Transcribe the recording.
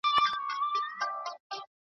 چي په تا یې رنګول زاړه بوټونه .